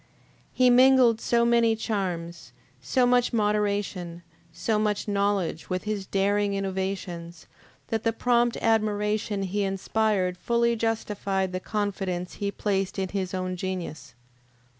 He mingled so many charms, so much moderation, so much knowledge with his daring innovations, that the prompt admiration he inspired fully justified the confidence he placed in his own genius.